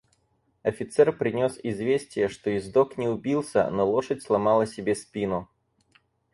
Офицер принес известие, что ездок не убился, но лошадь сломала себе спину.